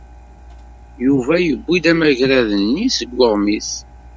Yuba yebbi-d amagrad-nni seg weɣmis.